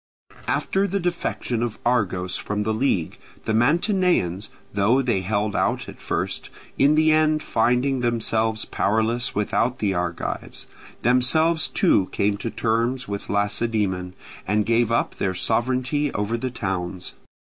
After the defection of Argos from the league, the Mantineans, though they held out at first, in the end finding themselves powerless without the Argives, themselves too came to terms with Lacedaemon, and gave up their sovereignty over the towns.